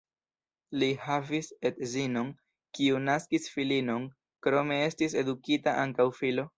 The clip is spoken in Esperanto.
Li havis edzinon, kiu naskis filinon, krome estis edukita ankaŭ filo.